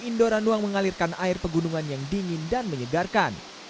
indoranuang mengalirkan air pegunungan yang dingin dan menyegarkan